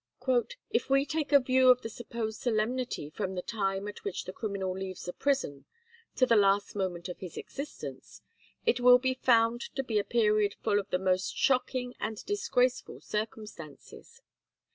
"If we take a view of the supposed solemnity from the time at which the criminal leaves the prison to the last moment of his existence, it will be found to be a period full of the most shocking and disgraceful circumstances.